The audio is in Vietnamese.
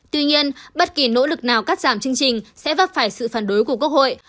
tuy nhiên bất kỳ nỗ lực nào cắt giảm chương trình sẽ vấp phải sự phản đối của quốc hội